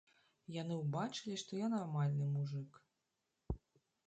Яны ўбачылі, што я нармальны мужык.